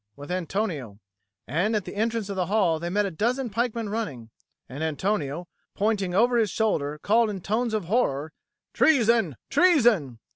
with Antonio. And at the entrance of the hall they met a dozen pikemen running; and Antonio, pointing over his shoulder, called in tones of horror, "Treason, treason!"